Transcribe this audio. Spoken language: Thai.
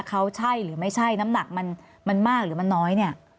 เขาใช่หรือไม่ใช่น้ำหนักมันมากหรือมันน้อยเนี่ย